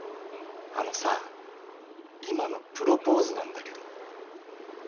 あのさ今のプロポーズなんだけど。